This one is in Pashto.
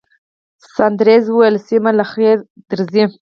ساندرز وویل، سېمه، له خیره درځئ.